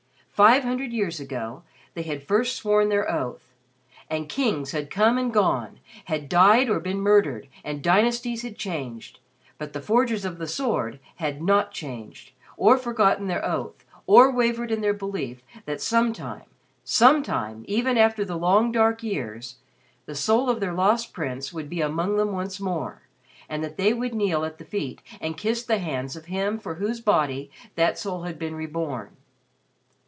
Five hundred years ago they had first sworn their oath; and kings had come and gone, had died or been murdered, and dynasties had changed, but the Forgers of the Sword had not changed or forgotten their oath or wavered in their belief that some time some time, even after the long dark years the soul of their Lost Prince would be among them once more, and that they would kneel at the feet and kiss the hands of him for whose body that soul had been reborn.